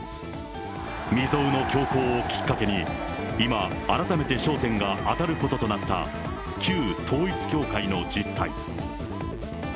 未曽有の凶行をきっかけに、今、改めて焦点が当たることとなった、旧統一教会の実態。